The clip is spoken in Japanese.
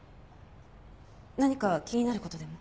何か気になる事でも？